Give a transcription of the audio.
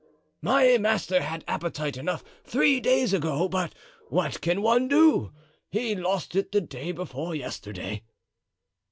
"My master had appetite enough three days ago, but what can one do? he lost it the day before yesterday."